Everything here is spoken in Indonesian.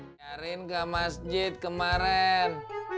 nyarin ke masjid kemarin